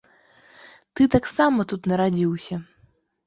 Ты таксама тут нарадзіўся.